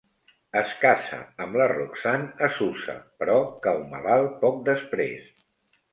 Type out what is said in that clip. "Es casa amb la Roxane a Susa, però cau malalt poc després."